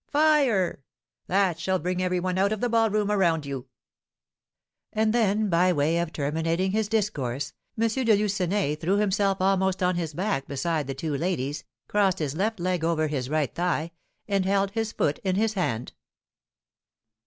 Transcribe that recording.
fire! that shall bring every one out of the ballroom, around you." And then, by way of terminating his discourse, M. de Lucenay threw himself almost on his back beside the two ladies, crossed his left leg over his right thigh, and held his foot in his hand.